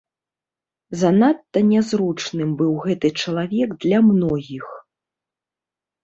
Занадта нязручным быў гэты чалавек для многіх.